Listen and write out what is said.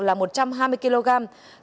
tổng cộng lượng là một trăm hai mươi kg